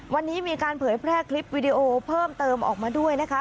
วันนี้มีการเผยแพร่คลิปวิดีโอเพิ่มเติมออกมาด้วยนะคะ